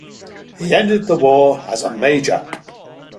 He ended the war as a Major.